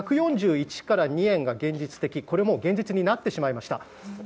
１４１から１４２円が現実的ということですがこれはもう現実になってしまいました。